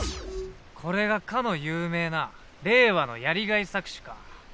これがかの有名な令和のやりがい搾取か。